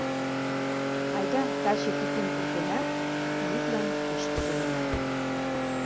— Айда, таче кӱтӱм пуртенат, йӱдлан тышке толына...